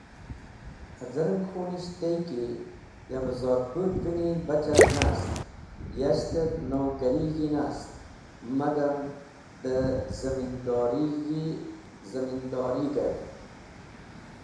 haz̃ereng khunisht tey ki yave zodbũdveni bachat nast, yashtev nokarig̃hi nast, magam dẽ zimindorig̃he’v.likin